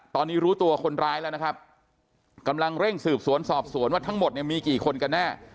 ตอนนี้รู้ตัวคนร้ายแล้วนะครับกำลังเร่งสืบสวนสอบสวนว่าทั้งหมดเนี่ยมีกี่คนกันแน่